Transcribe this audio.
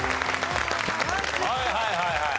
はいはいはいはい。